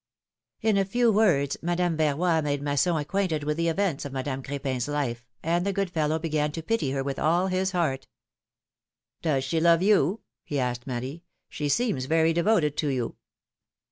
'' In a few words, Madame Verroy made Masson ac quainted with the events of Madame Cr^pin's life, and the good fellow began to pity her with all his heart. ^^Does she love you?" he asked Marie. ^'She seems very devoted to you."